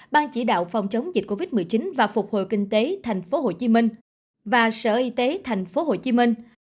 ban chỉ đạo phòng chống dịch covid một mươi chín và phục hồi kinh tế tp hcm và sở y tế tp hcm